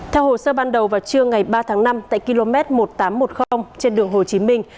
theo hồ sơ ban đầu vào trưa ngày ba tháng năm tại km một nghìn tám trăm một mươi trên đường hồ chí minh